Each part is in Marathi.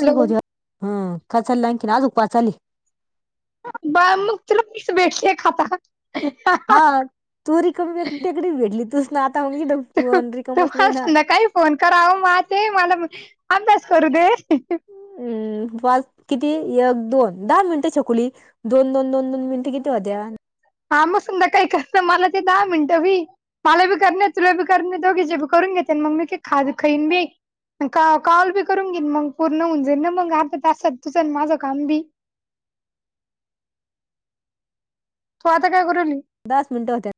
हॅलो हम काचाल ला अंकिन अज पा वाचलली [unintelligible] बाळ मग तुला कस भेटले खाता ह? हा तू रिकमी टेकडी भेटली ना आता म रिकमच नाही तुम्हाला ना. संध्याकाळी फोन कराव मा ते मला म अभ्यास करू दे, हम् पाच किती एक दोन दहा मिनिटं छकुली दोन दोन दोन दोन मिनिटे किती? त्या होत्या, हा मग संध्याकाळी कर मला ते दहा मिनटं वी! मले भी करणे तुला भी करणे दोगी जे करूनगी तन मममी के खाद खईनी बी, काल बी करून घेन पूर्ण होऊन जाईल ना मग हसत हसत तुझं माझं काम बी? तू आता काय करून, दहाच मिनिटे होतात,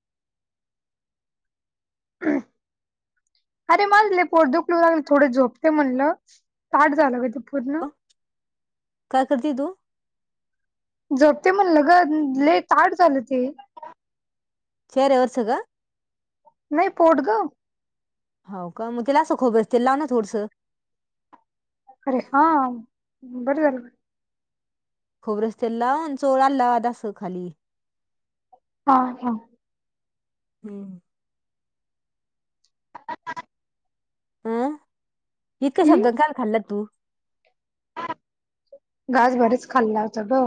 ह [unintelligible] अरे माणले पोट दुखु लागले थोडं झोपते म्हणलं ताट झालं का ते पूर्ण? काय करते तू, झोपते म्हणलं ग लय ताट झालं ते, चेहऱ्यावरचं ग, नाही पोट गाव, हो का मग त्याला असं खोबरेल तेल लाव ना थोडसं! अरे हा बर झाल, खोबरेल तेल लाव अन् चोळ आल्हाद अस खाली ते, हा हा, हम्म [inaudible] अं इतक्या शब्द हम्म काल खाल्लत तू, घास बरच खाल्ला होता ग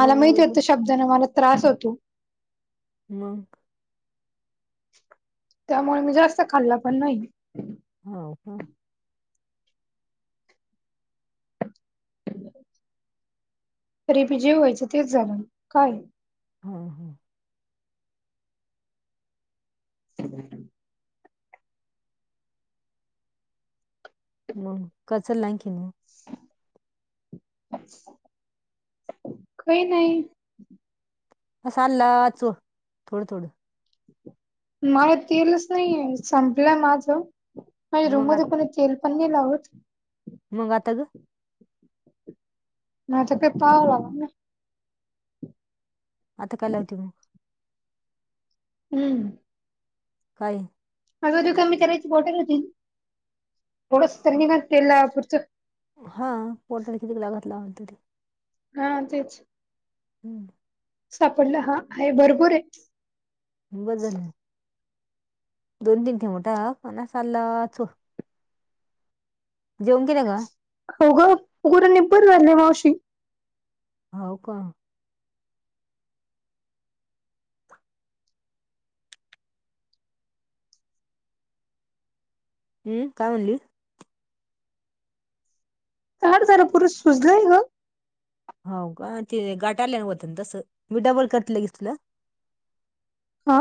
मला माहती मग होत शब्द? त्यानं मला त्रास होतो, मग, त्यामुळे मी जास्त खाल्ला पण नाही! हा का, ्यवा [unintelligible] तरी बी जे व्हायचं तेच झालं काय, हा हा, [inaudible] [unintelligible] [inaudible] काही नाही. असंल्लाच थोडं-थोडं. मला तेलच नाहीय. संपल माझ, माझ्या रूम मग मध्ये आत- पण तेल पण मी लावत मंग आता ग माझा तर पा व झाला. मता काय लावती मग. हम्म. काय. अजधू कमी करायची बॉटल होती. थोडस तर निधान तेला लावापुरतं. हा पोर्टल किती लागत लावल तरी. हा तेच. [inaudible] सापडला, हा आहे भरपूर आहे. बदल [unintelligible] जेऊन गेला का. हो ग खूप निबर झाली मावशी. हाव का. हम्म का म्हटली. [unintelligible] हाव का ते गाठाल्यान होत तसं, मी डबल करतलं घे तुला. हा.